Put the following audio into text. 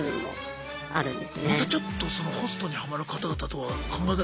またちょっとホストにハマる方々とは考え方